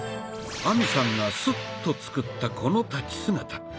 亜美さんがスッと作ったこの立ち姿。